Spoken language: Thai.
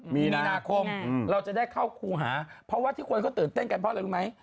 มีนาคมเราจะได้เข้าครูหาเพราะว่าที่คนเขาตื่นเต้นกันเพราะอะไรรู้ไหม